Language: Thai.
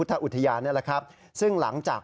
ช็อกนีใจที่ทำอย่างไรไม่ถูก